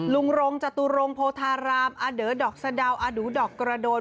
รงจตุรงโพธารามอาเดอดอกสะดาวอาดูดอกกระโดน